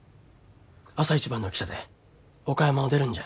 朝一番の汽車で岡山を出るんじゃ。